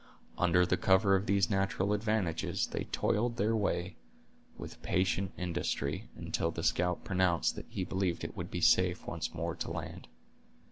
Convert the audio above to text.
Under the cover of these natural advantages, they toiled their way, with patient industry, until the scout pronounced that he believed it would be safe once more to land.